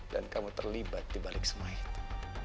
dan kamu terlibat di balik semua itu